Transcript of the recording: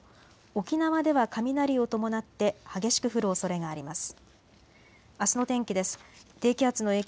沖縄では雷を伴って激しく降るおそれがあります。